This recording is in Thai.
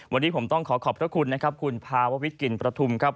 วันนี้ผมต้องขอขอบพระคุณนะครับคุณภาววิทย์กลิ่นประทุมครับ